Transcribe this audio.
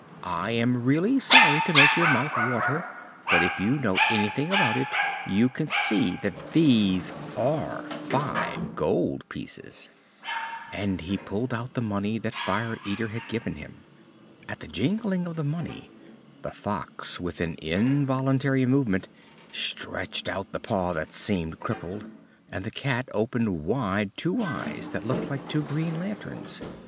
"I am really sorry to make your mouth water, but if you know anything about it, you can see that these are five gold pieces." And he pulled out the money that Fire Eater had given him. At the jingling of the money the Fox, with an involuntary movement, stretched out the paw that seemed crippled, and the Cat opened wide two eyes that looked like two green lanterns.